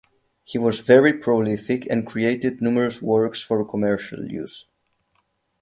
He was very prolific and created numerous works for commercial use.